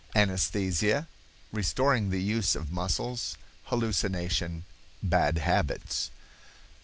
—Anesthesia.—Restoring the Use of Muscles.—Hallucination.—Bad Habits.